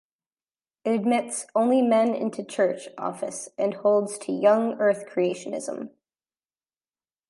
It admits only men into church office and holds to Young Earth creationism.